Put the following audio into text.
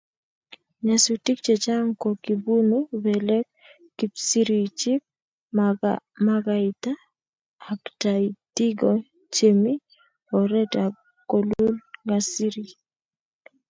Nyasutik chechang ko kibunu belek, kipsirichik, makaita ak taitigo chemi oret ak kolul garisiek